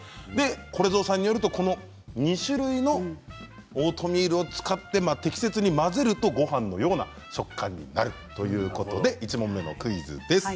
これぞうさんによるとこの２種類のオートミールを使って適切に混ぜるとごはんのような食感になるということで１問目のクイズです。